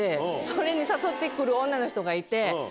それに誘って来る女の人がいて。